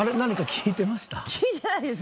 聞いてないですね。